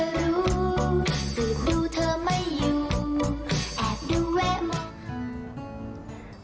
สูตรดูเธอไม่อยู่แอบดูแวะมอง